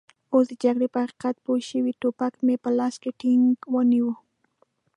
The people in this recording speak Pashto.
اوس د جګړې په حقیقت پوه شوي، ټوپک مې په لاس کې ټینګ ونیو.